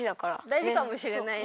大事かもしれないね。